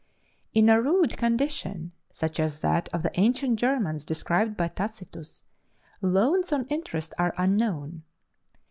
In a rude condition such as that of the ancient Germans described by Tacitus, loans on interest are unknown.